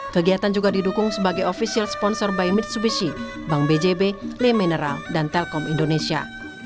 kegiatan juga didukung sebagai official sponsor by mitsubishi bank bjb le mineral dan telkom indonesia